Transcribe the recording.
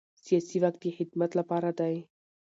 سیاسي واک د خدمت لپاره دی